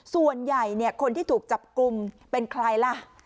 ส่วนใหญ่คนที่ถูกจับกลุ่มเป็นใครล่ะ